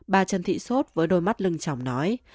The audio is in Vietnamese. bà trần thị sốt với đôi mắt lưng chồng nói